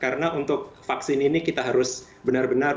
karena untuk vaksin ini kita harus benar benar mencari